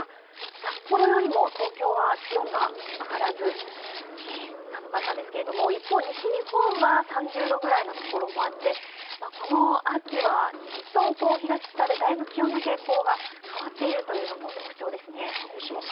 札幌よりも東京は気温が上がらず寒かったんですけれども一方、西日本は３０度ぐらいの所もあってこの秋は西と東の傾向がだいぶ気温の傾向が変わっているのも特徴ですね。